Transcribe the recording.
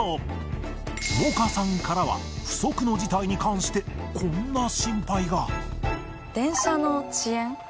もかさんからは不測の事態に関してこんな心配が電車の遅延。